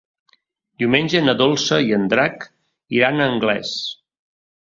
Diumenge na Dolça i en Drac iran a Anglès.